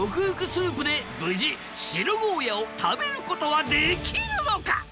スープで無事白ゴーヤーを食べることはできるのか？